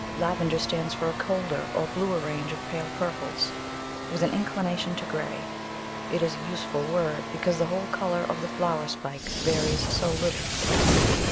Lavender stands for a colder or bluer range of pale purples, with an inclination to grey; it is a useful word, because the whole colour of the flower spike varies so little.